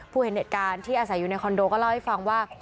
เห็นเหตุการณ์ที่อาศัยอยู่ในคอนโดก็เล่าให้ฟังว่า